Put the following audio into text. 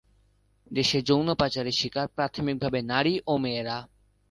দেশে যৌন পাচারের শিকার, প্রাথমিকভাবে নারী ও মেয়েরা।